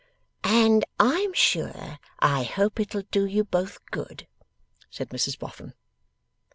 'And I am sure I hope it'll do you both good,' said Mrs Boffin.